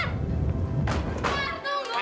kak tunggu kak